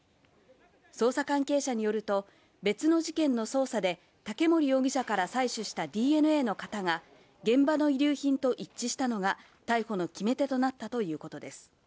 捜査関係者によると、別の事件の捜査で竹森容疑者から採取したＤＮＡの型が現場の遺留品と一致したのが逮捕の決め手となったということです。